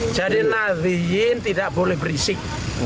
jadi naziin tidak boleh berisik